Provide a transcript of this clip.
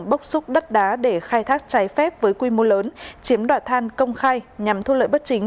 bốc xúc đất đá để khai thác trái phép với quy mô lớn chiếm đoạt than công khai nhằm thu lợi bất chính